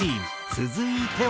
続いては。